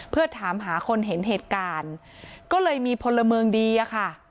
เพื่อถามหาคนเห็นเหตุการณ์ก็เลยมีพลเมืองดีอะค่ะ